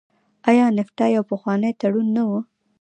آیا نفټا یو پخوانی تړون نه و؟